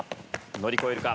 乗り越えるか？